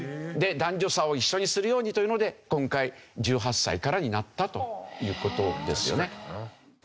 で男女差を一緒にするようにというので今回１８歳からになったという事ですよね。